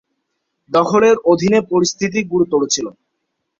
দখলের অধীনে পরিস্থিতি গুরুতর ছিল।